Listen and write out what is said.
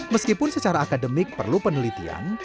meskipun secara akademik perlu penelitian